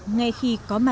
ngay khi có mới